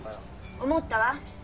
思ったわ。